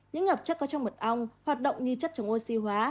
những ngập chất có trong mật ong hoạt động như chất chống ô siu hóa